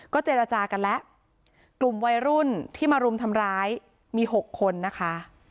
เจรจากันแล้วกลุ่มวัยรุ่นที่มารุมทำร้ายมี๖คนนะคะ